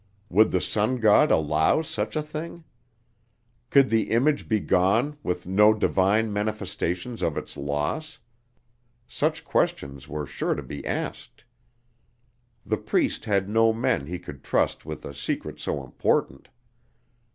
Would the Sun God allow such a thing? Could the image be gone with no divine manifestations of its loss? Such questions were sure to be asked. The Priest had no men he could trust with a secret so important.